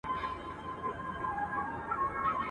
چي خوشحال په زړه زخمي ورڅخه ولاړی.